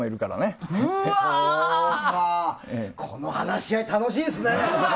この話は楽しいですね。